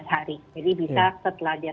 empat hari jadi bisa setelah dia